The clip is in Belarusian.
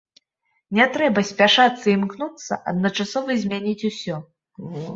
Не трэба спяшацца і імкнуцца адначасова змяніць усё.